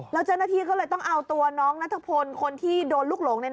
แล้วจนนาธิก็เลยต้องเอาตัวน้องนาธพลคนที่โดนลุกหลง